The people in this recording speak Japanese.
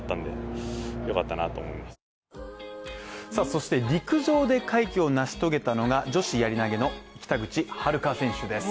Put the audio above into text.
そして陸上で快挙を成し遂げたのが女子やり投げの北口榛花選手です